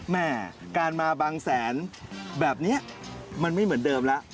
แม่การมาบางแสนแบบนี้มันไม่เหมือนเดิมแล้ว